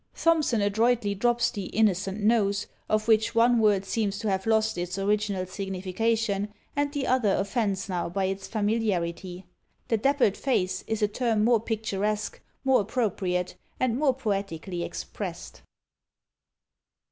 Thomson adroitly drops the innocent nose, of which one word seems to have lost its original signification, and the other offends now by its familiarity. The dappled face is a term more picturesque, more appropriate, and more poetically expressed.